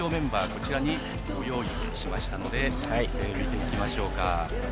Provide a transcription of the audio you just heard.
こちらにご用意しましたので見ていきましょう。